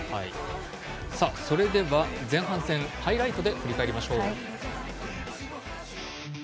前半戦ハイライトで振り返りましょう。